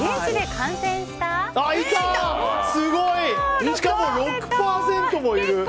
すごい！しかも６％もいる！